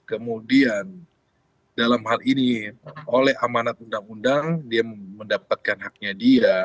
kemudian dalam hal ini oleh amanat undang undang dia mendapatkan haknya dia